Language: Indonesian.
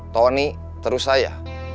tony terus saya